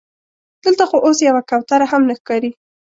دلته خو اوس یوه کوتره هم نه ښکاري.